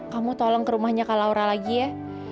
kamu tolong ke rumahnya kak laura lagi ya